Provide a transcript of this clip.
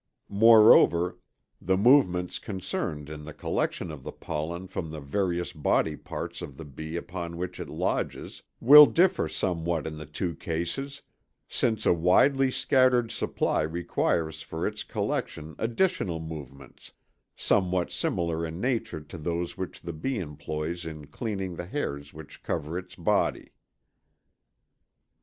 Moreover, the movements concerned in the collection of the pollen from the various body parts of the bee upon which it lodges will differ somewhat in the two cases, since a widely scattered supply requires for its collection additional movements, somewhat similar in nature to those which the bee employs in cleaning the hairs which cover its body.